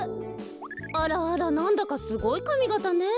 あらあらなんだかすごいかみがたねえ。